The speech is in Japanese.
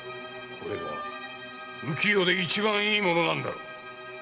これが浮き世で一番いいものなんだろう？